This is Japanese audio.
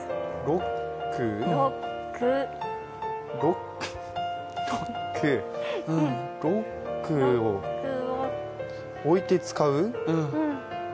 ロックをロックを置いて使う？